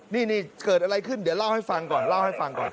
นี่เกิดอะไรขึ้นเดี๋ยวเล่าให้ฟังก่อน